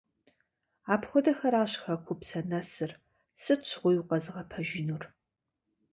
Апхуэдэхэращ хэкупсэ нэсыр, сыт щыгъуи укъэзыгъэпэжынур.